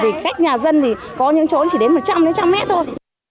vì khách nhà dân thì có những chỗ chỉ đến một trăm linh đến một trăm linh mét thôi